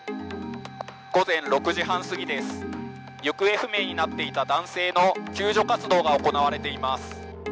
午前６時半すぎです、行方不明になっていた男性の救助活動が行われています。